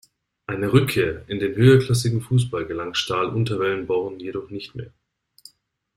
Eine Rückkehr in den höherklassigen Fußball gelang Stahl Unterwellenborn jedoch nicht mehr.